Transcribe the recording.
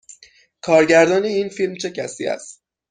کارگردان این فیلم چه کسی است؟